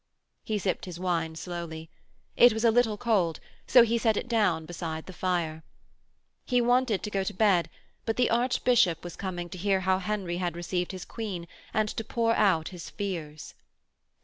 He sipped his wine slowly. It was a little cold, so he set it down beside the fire. He wanted to go to bed, but the Archbishop was coming to hear how Henry had received his Queen, and to pour out his fears.